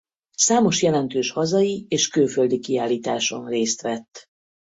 Számos jelentős hazai és külföldi kiállításon részt vett.